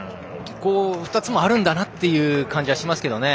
２つもあるんだなという感じはしますけどね。